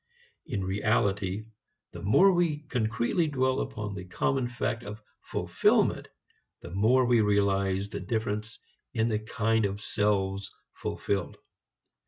In reality the more we concretely dwell upon the common fact of fulfilment, the more we realize the difference in the kinds of selves fulfilled.